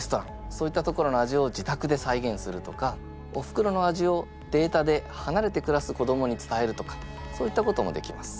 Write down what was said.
そういった所の味をじたくで再現するとかおふくろの味をデータではなれてくらす子どもに伝えるとかそういったこともできます。